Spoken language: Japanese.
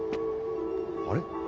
あれ？